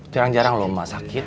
jarang jarang lho emak sakit